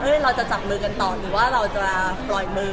เราจะจับมือกันต่อหรือว่าเราจะปล่อยมือ